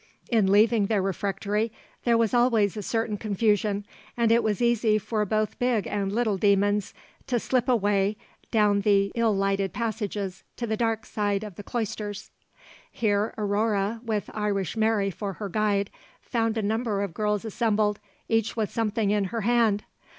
In leaving the refectory there was always a certain confusion, and it was easy for both big and little demons to slip away down the ill lighted passages to the dark side of the cloisters. Here Aurore, with Irish Mary for her guide, found a number of girls assembled, each with something in her hand.